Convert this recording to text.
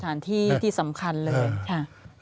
เรื่องสถานที่ที่สำคัญเลย